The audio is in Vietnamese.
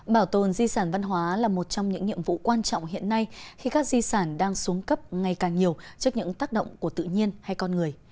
bảo tồn di sản văn hóa là một trong những nhiệm vụ quan trọng hiện nay khi các di sản đang xuống cấp ngày càng nhiều trước những tác động của tự nhiên hay con người